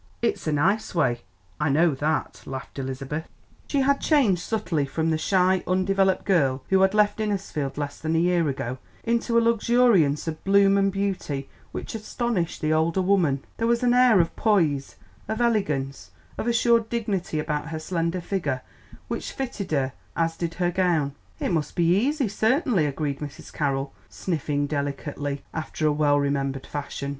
"It's a nice way, I know that," laughed Elizabeth. She had changed subtly from the shy, undeveloped girl who had left Innisfield less than a year ago into a luxuriance of bloom and beauty which astonished the older woman. There was an air of poise, of elegance, of assured dignity about her slender figure which fitted her as did her gown. "It must be easy, certainly," agreed Mrs. Carroll, sniffing delicately, after a well remembered fashion.